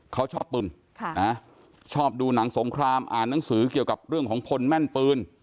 เขาชอบปืนชอบดูหนังสงครามอ่านหนังสือเกี่ยวกับเรื่องของพลแม่นปืน